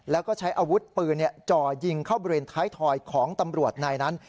แล้วก็ใช้อาวุธปืนจ่อยิงเข้าบริเวณท้ายถอยของตำรวจนายนั้น